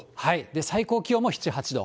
最高気温も７、８度。